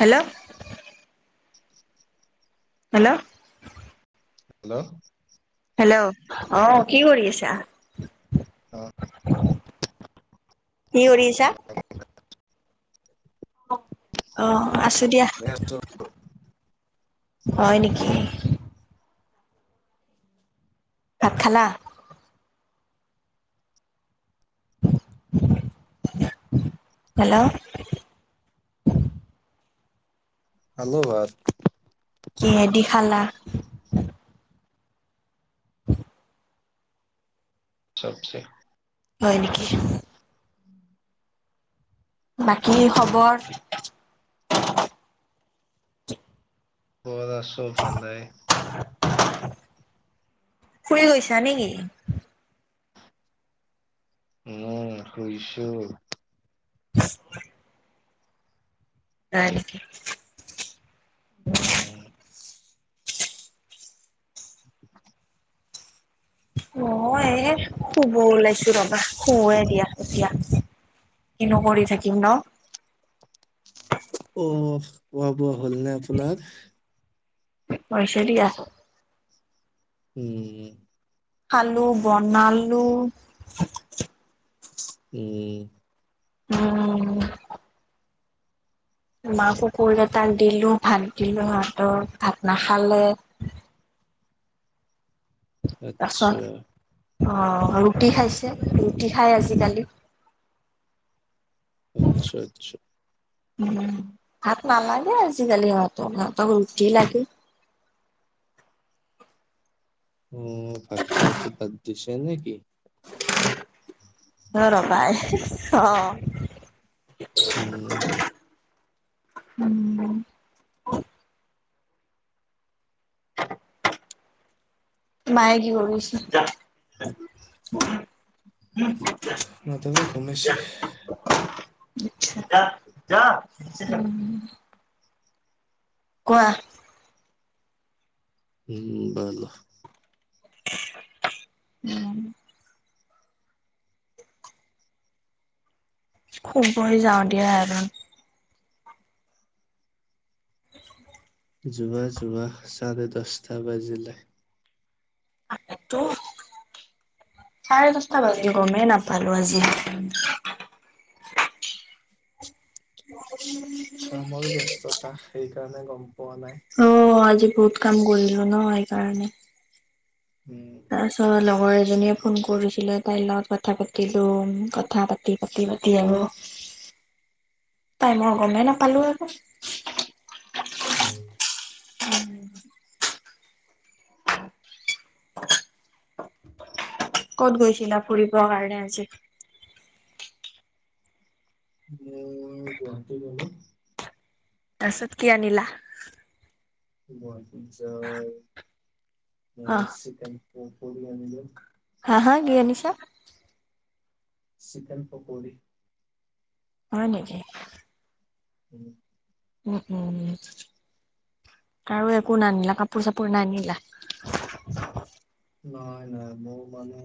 Hello hello hello hello অ' কি কৰি আছা? অহ। কি কৰি আছা? [inaudible] হ অহ। ছো [inaudible] হয় নেকি। ভাত খালা? হেল্ল'। খালো ভাত। কিহেদি খালা? চবজী। হয় নেকি? বাকী খবৰ? খবৰ আছোঁ ভালেই। শুই গৈছা নেকি? মই শুইছো। হয় নেকি? [inaudible] উম। অ এ শুব ওলাইছো ৰবা, শুৱে দিয়া এতিয়া, কিনো কৰি থাকিম ন? অ শুৱা, শুৱা। হল নে আপোনাৰ? হৈছে দিয়া। উম। খালো, বনালো। উম। উম। মাকো কল এটা আনি দিলো, ভাত দিলো ভাতত ভাত নাখালে। তাৰপাছত আচ্ছা। অ ৰুটি খাইছে, ৰুটি খাই আজিকালি। আচ্ছা, আচ্ছা। উম ভাত নালাগে আজিকালি ইহঁতক, সিহঁতক ৰুটি লাগে। উম ভাত খোৱাটো বাদ দিছে নেকি? ঘৰৰ পাই। অহ। [inaudible] উম। উম। মায়ে কি কৰিছে? উম [inaudible] উম মাথাটো ঘুমাইছে। আচ্ছা, উম। কোৱাহ? উম বাৰু। উম শুৱই যাওঁ দিয়া আৰু যোৱা যোৱাচ চাৰে দছটা বাজিলে তো চাৰে দছটা বাজিল গমেই নাপালো আজি উ [inaudible] কামৰো ব্যস্ততা সেইকাৰণে গম পোৱা নাই অ' আজি বহুত কাম কৰিলো ন সেই কাৰণে। উম। আ চ ল প লগৰ এজনীয়ে ফোন কৰিছিলে তাইৰ লগত কথা পাতিলো কথা পাতি, পাতি, পাতি আৰু টাইমৰ গমেই নাপালো আৰু উম। উম [inaudible] ক'ত গৈছিলা ফুৰিবৰ কাৰণে আজি? মই গুৱাহাটী গ'লো। তাৰপাছত কি আনিলা? গণপুৰ যাৰ [inaudible] অ' লেগ চিকেন। মোমফলি আনিলো। হা হা কি আনিছা? চিকেন পকৰী। হয় নেকি। উম [inaudible] উম উম উ কাৰো একো নানিলা কাপোৰ চাপোৰ নানিলা নাই নাই মোৰ মানে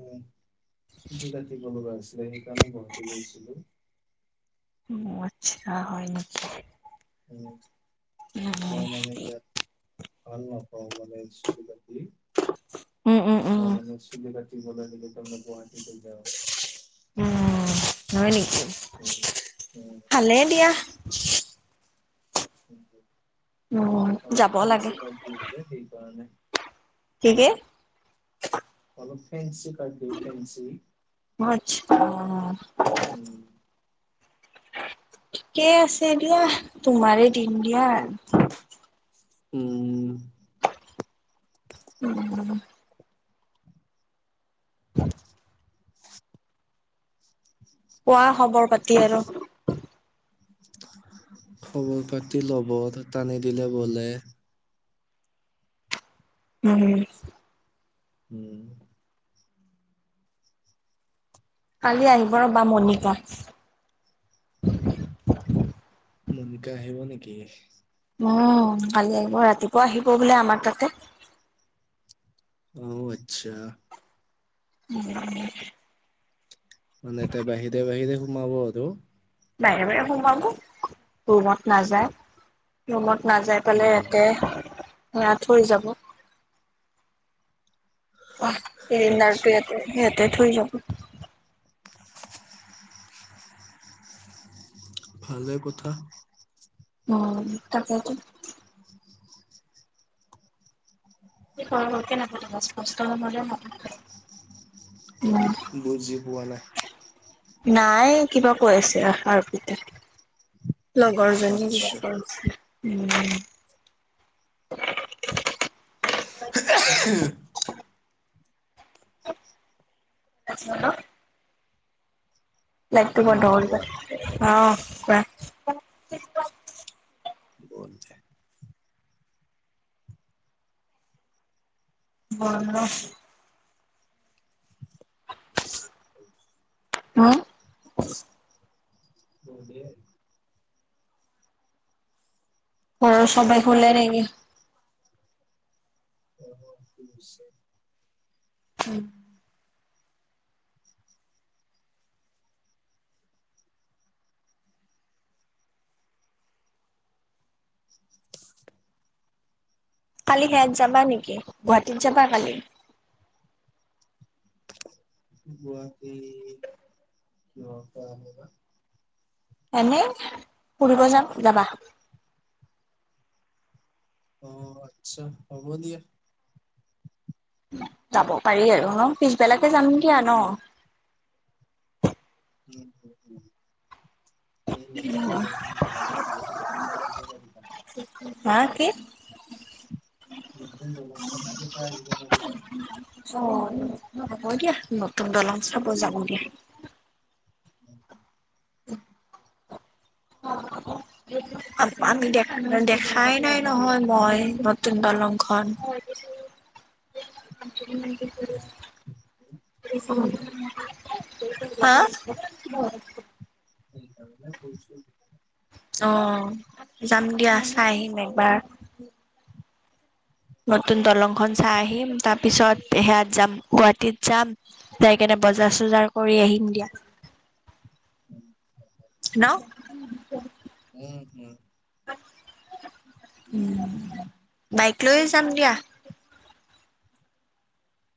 চুবিকাতি ক গ আছে [inaudible] ছিল সেইকাৰণে গাহতি লৈছিলো [unintelligible] উ আচ্ছা হয় নেকি উ উম, উম, মই মানে ইয়াত আ নপাও মানে একচুবেলি বাকী উম, নাই উম, নাই নিশ্চি [inaudible] ত ম গ য [inaudible] উম নেনিক উম উম [inaudible] ভালে দিয়া [inaudible] উম উম, [inaudible] অলপ যাব লাগে ফেঞ্চ ক দি যে সেইকাৰণে কিক [unintelligible] ফ্ৰেচিপ প্ৰদীপ এেঞ্চি [unintelligible] অ' উম। ঠিকেই আছে এ দিয়া তোমাৰে দিন দিয়া। উম। উম। কোৱা খবৰ বাকি আৰু খবৰ পাতি ল'ব টানি দিলে বলে উম। উম কালি আহিব ৰ'বা মণিকা। মণিকা আহিব নেকি? উম কালি আহিব ৰাতিপুৱা আহিব বোলে আমাৰ তাতে। আহ আচ্ছা। উম। মানে তাই বাহিৰে বাহিৰে সোমাব আৰু। বাহিৰে বাহিৰে সোমাব। ৰুমত নাযায় ৰুমত নাযায় পেলাই উম ইয়াতে এয়া থৈ যাব। অ' চিলিণ্ডাৰটো‌ আচ্ছা ইয়াতে ইয়াতে থৈ যাব। [inaudible] ভালে কথা। উম তাকেইতো। সি সৰু সৰু কৰে নাথাকে স্পষ্ট ৰুমতে ভাত খালে। বুজি পোৱা নাই। নাই কিবা কৈ আছে আৰপিতে। লগৰজনী কিবা আচ্ছা কয়। উম। হ্যালো লাইটো উম বন্ধ কোৱা কৰিব। অ' কোৱা। [inaudible] [inaudible] [inaudible] [inaudible] উ [inaudible] ঘৰৰ সবাই শুলে নেকি? [inaudible] [inaudible] কালি সেয়াত যাবা নেকি, গুৱাহাটীত যাবা কালি? গুৱাহাটীৰ ন টা অনিবা এনেই ফুৰিব যাম। যাবা? অ' আচ্ছা হ'ব দিয়া। যাব পাৰি আৰু ন? পিছবেলাতে যাম দিয়া ন। উম উম উম। এই নতুন দলংখনটো লছে সেইখন চাই আহিব পাৰিবা হা কি? নতুন দলংখন চাই আহিব পাৰিবা। অ হ'ব দিয়া নতুন দলং চাব যাম দিয়া [inaudible] [inaudible] আমি দে দেখাই নাই নহয় মই নতুন দলংখন। অ সেইকাৰণে হা [inaudible] [inaudible] অ যাম দিয়া, চাই আহিম একবাৰ। নতুন দলংখন চাই আহিম, তাৰপিছত সেয়াত যাম গুৱাহাটীত যাম, যাই কেনে বজাৰ-চজাৰ কৰি আহিম দিয়া। উম ন উম বাইক লৈয়ে যাম দিয়া।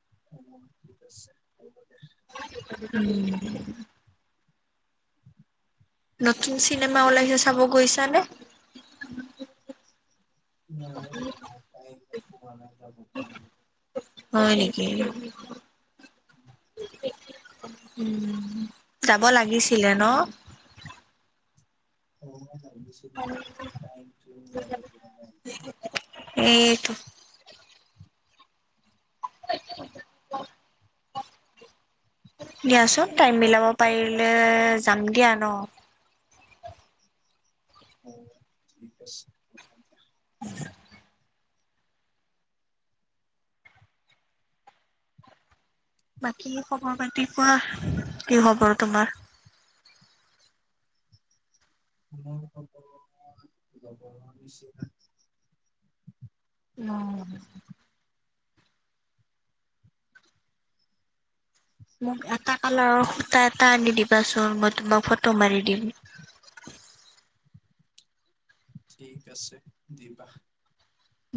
[inaudible] উম নতুন চিনেমা ওলাইছে চাব গৈছানে? [inaudible] [inaudible] হয় নেকি? [inaudible] উম, যাব লাগিছিলে ন? [inaudible] [inaudible] [inaudible] [inaudible] দিয়াচোন টাইম মিলাও যাব পাৰিলে যাম দিয়া ন। [inaudible] [inaudible] বাকী খবৰ পাতি কোৱা, কি খবৰ তোমাৰ? [inaudible] উম মোক এটা কালাৰৰ সূতা এটা আনি দিবাচোন মই তোমাক ফটো মাৰি দিম। ঠিক আছে দিবা।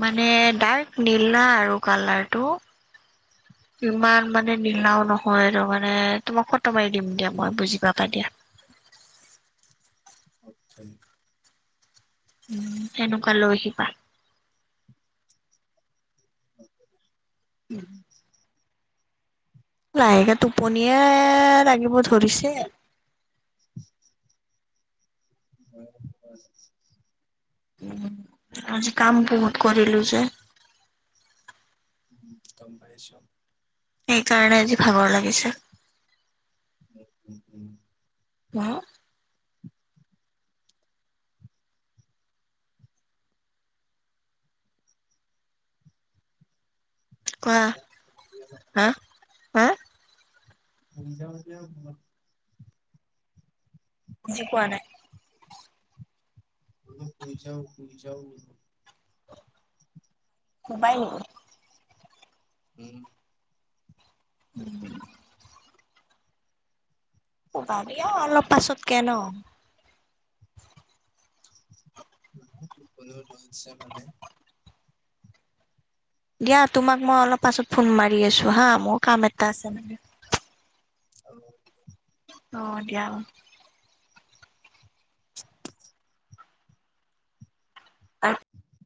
মানে ডাৰ্ক নীলা আৰু কালাৰটো। কিমান মানে নীলাও নহয় তামানে তোমাক কত দিম দিয়া মই বুজি পা তাদিয়া অত্ছাই উ, তেনেকুৱা লৈ আহিবা। [inaudible] লাহেকে টোপনিয়ে লাগিব ধৰিছে। [inaudible] উ, আজি কাম বহুত কৰিলো যে। উ, গম পাইছো। সেইকাৰণে আজি ভাগৰ লাগিছে। উম উম উম। ৱাও। কোৱা যাও হাঁ। হা। মিজা বাতি আৰু ধূনা। বুজি পোৱা নাই। বোলো শুই যাওঁ শুই যাওঁ। [unintelligible] শুৱাই নেকি। উম। উম। পাবি আও অলপ পাছতকে নহ। [unintelligible] টোপনিও ধৰছে মানে। দিয়া, তোমাক মই অলপ পাছত ফোন মাৰি আছো হা, মোৰ কাম এটা আছে মানে। অ'। অ', দিয়া অ'। [unintelligible]